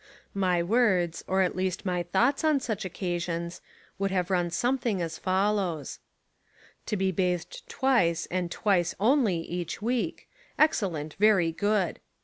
My words, or at least my thoughts on such occasions, would have run something as fol lows : "To be bathed twice and twice only each week: Excellent, very good.